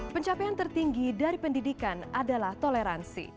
pencapaian tertinggi dari pendidikan adalah toleransi